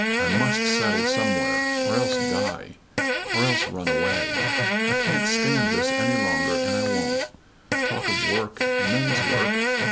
I must settle somewhere; or else die; or else run away. I can't stand this any longer and I won't. Talk of work, men's work!